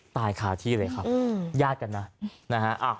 ตายคาที่เลยครับญาติกันนะนะฮะ